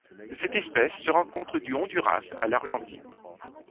Cette espèce se rencontre du Honduras à l'Argentine.